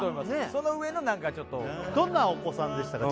その上の何かちょっとどんなお子さんでしたか？